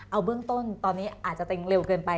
เอาเบื้องต้นตอนนี้อาจจะเต็งเร็วเกินไป